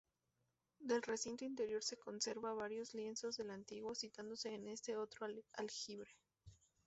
Del recinto interior se conserva varios lienzos en ángulo, situándose en este otro aljibe.